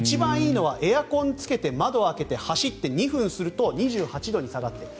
エアコンをつけて窓を開けて走って２分すると２８度に下がっている。